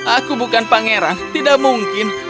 aku bukan pangeran tidak mungkin